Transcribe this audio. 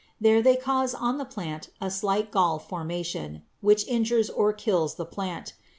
There they cause on the plant a slight gall formation, which injures or kills the plant.